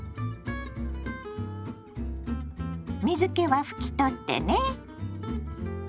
水けは拭き取ってね。